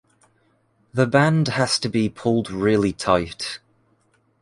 The band has to be pulled really tight.